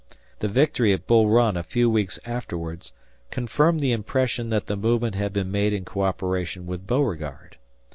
The victory at Bull Run a few weeks afterwards confirmed the impression that the movement had been made in coöperation with Beauregard.